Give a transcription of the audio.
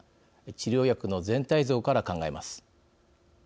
治療薬の全体像から考えます。